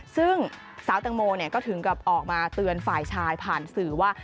ซึ่งสาวแตงโมก็ถึงกับออกมาเตือนฝ่ายชายผ่านสื่อว่า